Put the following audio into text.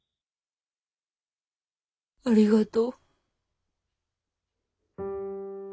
ありがと。